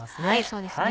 そうですね